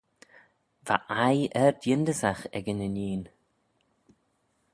Va eie ard-yindyssagh ec yn inneen.